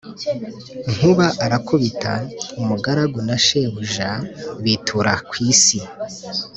Nkuba arakubita, umugaragu na shebuja bitura ku isi.